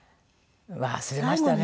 忘れましたね。